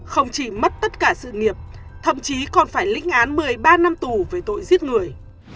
không chỉ mất tất cả sự nghiệp thậm chí còn phải lĩnh án một mươi ba năm tù về tội giết người